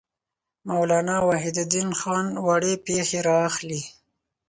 مولانا وحیدالدین خان وړې پېښې را اخلي.